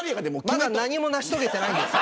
まだ何も成し遂げてないんです。